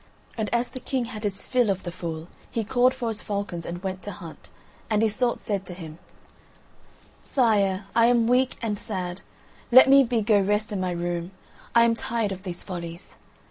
And as the King had his fill of the fool he called for his falcons and went to hunt; and Iseult said to him: "Sire, I am weak and sad; let me be go rest in my room; I am tired of these follies."